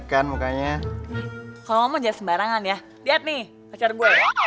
kenapa kayak gitu